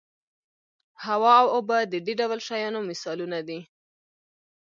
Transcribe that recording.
هوا او اوبه د دې ډول شیانو مثالونه دي.